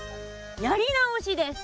やり直しです。